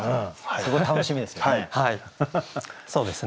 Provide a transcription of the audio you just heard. すごい楽しみですね。